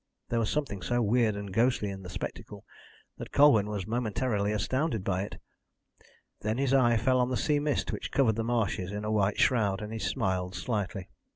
There was something so weird and ghostly in the spectacle that Colwyn was momentarily astounded by it. Then his eye fell on the sea mist which covered the marshes in a white shroud, and he smiled slightly.